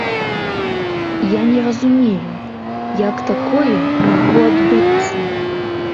Я не разумею, як такое магло адбыцца.